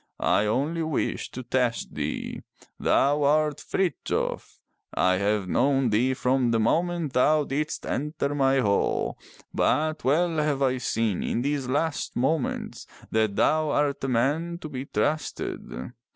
I only wished to test thee. Thou art Frithjof. I have known thee from the moment thou didst enter my hall, but well have I seen in these last moments that thou art a man to be trusted.